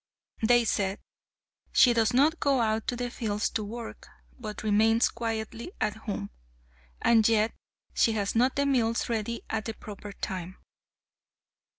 They said, "She does not go out to the fields to work, but remains quietly at home, and yet she has not the meals ready at the proper time."